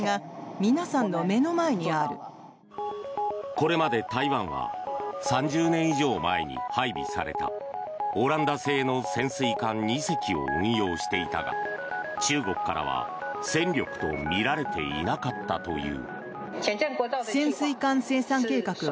これまで台湾は３０年以上前に配備されたオランダ製の潜水艦２隻を運用していたが中国からは、戦力と見られていなかったという。